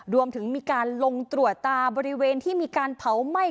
รวมถึงมีการลงตรวจตาบริเวณที่มีการเผาไหม้